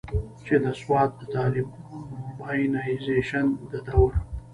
چې د سوات د طالبانائزيشن د دور